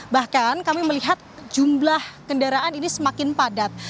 bahkan kami melihat jumlah kendaraan ini semakin padat